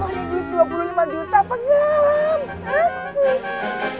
lu ada duit dua puluh lima juta apa gak